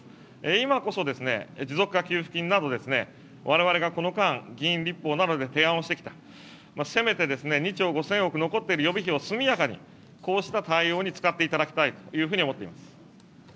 今こそですね、持続化給付金など、われわれがこの間、議員立法などで提案をしてきた、せめて２兆５０００億残っている予備費を速やかに、こうした対応に使っていただきたいというふうに思っています。